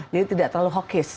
jadi tidak terlalu hokis